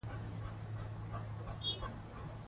د تخمیر شوو خوړو مصرف کول ګټور دي.